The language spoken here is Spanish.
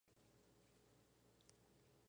Es padre del filósofo Manuel Barrios Casares.